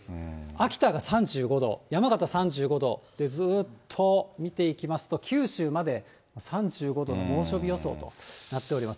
秋田が３５度、山形３５度、で、ずっと見ていきますと、九州まで３５度の猛暑日予想となっています。